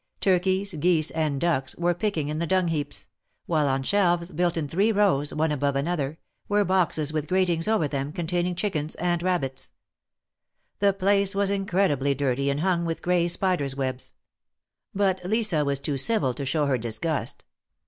Turkeys, geese and ducks were picking in the dung heaps; while on shelves, built in three rows, one above another, were boxes with gratings over them, containing chickens and rabbits. 204 THE MAEKETS OF PAEIS. The place was incredibly dirty, and hung wdth gray spiders' webs. But Lisa was too civil to show her dis gust.